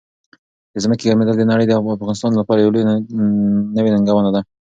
د ځمکې ګرمېدل د نړۍ او افغانستان لپاره یو لوی نوي ننګونه ده.